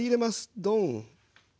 ドン。